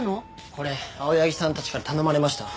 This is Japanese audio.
これ青柳さんたちから頼まれました。